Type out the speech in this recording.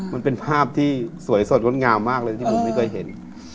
มันเป็นภาพที่สวยสดงดงามมากเลยที่ผมไม่เคยเห็น